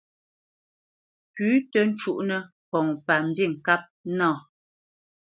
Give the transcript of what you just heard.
Pʉ̌ tǝ́ cúnǝ́ ŋkɔŋ pa mbîŋkâp nâ.